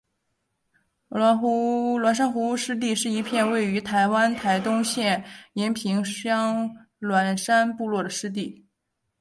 鸾山湖湿地是一片位于台湾台东县延平乡鸾山部落的湿地。